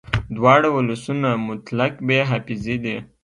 دواړه ولسونه مطلق بې حافظې دي